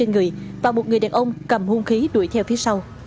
hai người và một người đàn ông cầm hôn khí đuổi theo phía sau